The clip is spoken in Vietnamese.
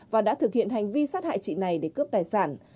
và đã thực hiện hành vi sát hại chị này để cướp tài sản